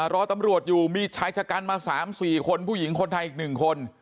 รอตำรวจอยู่มีชายจกรรมสามสี่คนผู้หญิงคนไทยอีกหนึ่งคน